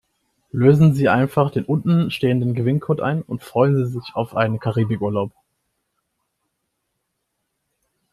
Lösen Sie einfach den unten stehenden Gewinncode ein und freuen Sie sich auf einen Karibikurlaub.